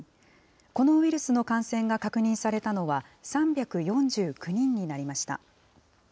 このウイルスの感染が確認されたのは、３４９人になりました。